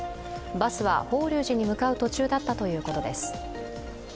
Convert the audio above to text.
バスは法隆寺に向かう途中だったということです。